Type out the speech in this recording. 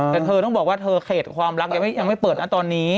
แต่เธอต้องบอกว่าเธอเขตความรักยังไม่เปิดนะตอนนี้